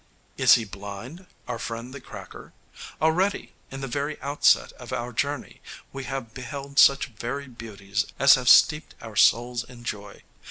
Is he blind, our friend the Cracker? Already, in the very outset of our journey, we have beheld such varied beauties as have steeped our souls in joy.